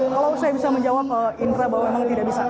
kalau saya bisa menjawab indra bahwa memang tidak bisa